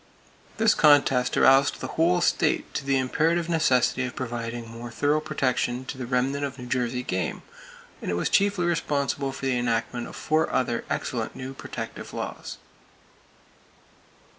This contest aroused the whole state to the imperative necessity of providing more thorough protection for the remnant of New Jersey game, and it was chiefly responsible for the enactment of four other excellent new protective laws.